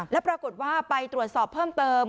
แล้วปรากฏว่าไปตรวจสอบเพิ่มเติม